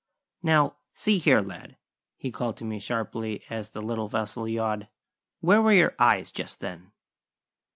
"Now, see here, lad," he called to me sharply as the little vessel yawed: "where were your eyes just then?"